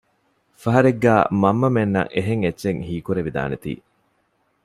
ފަހަރެއްގައި މަންމަމެންނަށް އެހެން އެއްޗެއް ހީ ކުރެވިދާނެތީ